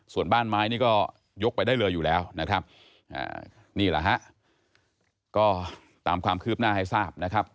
ส่วนบ้านไม้นี่ก็ยกไปได้เลยอยู่แล้วนะครับนี่แหละฮะก็ตามความคืบหน้าให้ทราบนะครับ